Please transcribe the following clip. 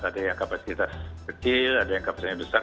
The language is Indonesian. ada yang kapasitas kecil ada yang kapasitasnya besar